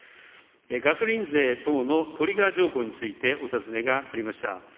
ガソリン税等のトリガー条項について、お尋ねがありました。